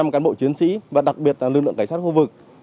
cán bộ chiến sĩ và đặc biệt là lực lượng cảnh sát khu vực